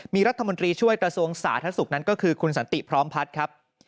มีรัฐมนตรีช่วยกระทรวงสาธารณสุขนั้นก็คือคุณสันติพร้อมพัฒน์ครับ